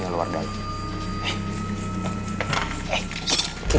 menjauhkan dari semua